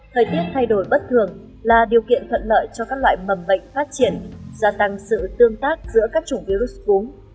thời tiết thay đổi bất thường là điều kiện thuận lợi cho các loại mầm bệnh phát triển gia tăng sự tương tác giữa các chủng virus cúm